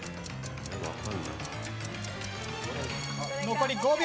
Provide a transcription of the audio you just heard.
残り５秒。